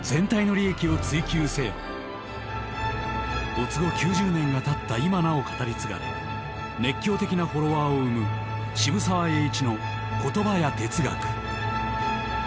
没後９０年がたった今なお語り継がれ熱狂的なフォロワーを生む渋沢栄一の言葉や哲学。